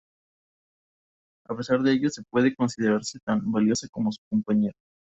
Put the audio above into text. A pesar de ello, no puede considerarse tan valiosa como su compañera.